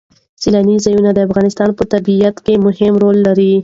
سیلانی ځایونه د افغانستان په طبیعت کې مهم رول لري.